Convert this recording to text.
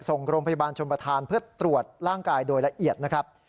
ส่งโรงพยาบาลชมประธานเพื่อตรวจร่างกายโดยละเอียดนะครับ